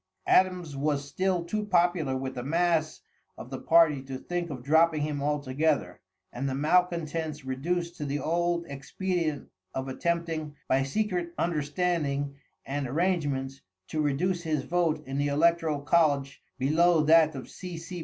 Adams was still too popular with the mass of the party to think of dropping him altogether, and the malcontents reduced to the old expedient of attempting, by secret understanding and arrangements, to reduce his vote in the electoral college below that of C. C.